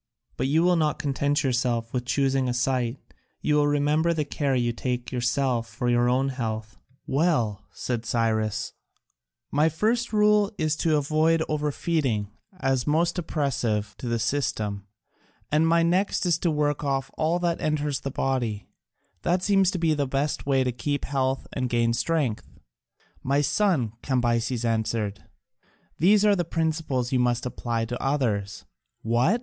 But you will not content yourself with choosing a site, you will remember the care you take yourself for your own health." "Well," said Cyrus, "my first rule is to avoid over feeding as most oppressive to the system, and my next to work off all that enters the body: that seems the best way to keep health and gain strength." "My son," Cambyses answered, "these are the principles you must apply to others." "What!"